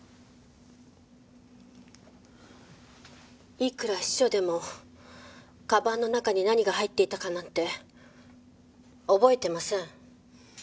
いくら秘書でも鞄の中に何が入っていたかなんて覚えてません。